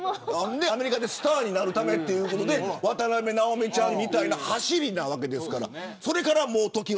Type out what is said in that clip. アメリカでスターになるためということで渡辺直美ちゃんみたいなはしりなわけですから。